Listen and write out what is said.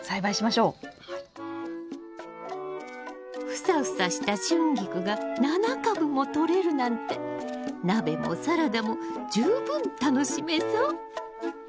フサフサしたシュンギクが７株もとれるなんて鍋もサラダも十分楽しめそう！